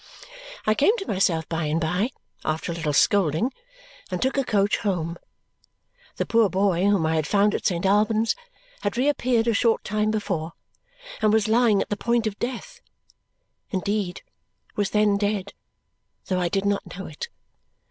I came to myself by and by, after a little scolding, and took a coach home. The poor boy whom I had found at St. Albans had reappeared a short time before and was lying at the point of death; indeed, was then dead, though I did not know it.